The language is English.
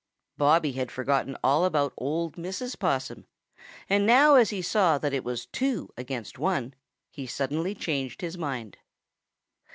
Bobby had forgotten all about old Mrs. Possum, and now as he saw that it was two against one he suddenly changed his mind.